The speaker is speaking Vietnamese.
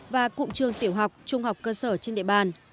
và cụm trường tiểu học trung học cơ sở trên địa bàn